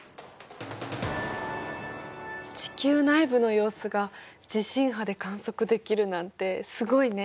地球内部の様子が地震波で観測できるなんてすごいね。